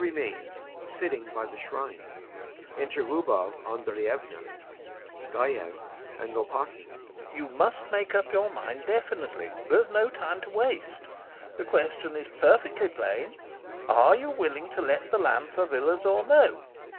YASHA remains, sitting by the shrine. Enter LUBOV ANDREYEVNA, GAEV, and LOPAKHIN.] LOPAKHIN. You must make up your mind definitely there's no time to waste. The question is perfectly plain. Are you willing to let the land for villas or no?